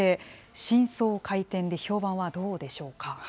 新装開店で評判はどうでしょうか。